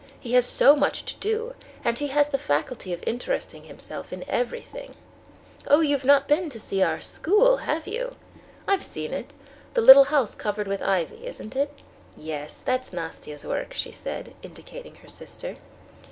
He has so much to do, and he has the faculty of interesting himself in everything. Oh, you've not been to see our school, have you?" "I've seen it.... The little house covered with ivy, isn't it?" "Yes; that's Nastia's work," she said, indicating her sister.